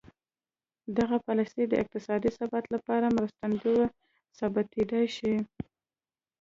دغه پالیسي د اقتصادي ثبات لپاره مرستندویه ثابتېدای شي.